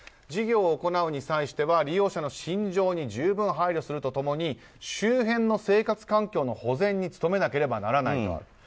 事業を行うに際しては利用者の心情に十分に配慮すると共に周辺の生活環境の保全に努めなければならないとある。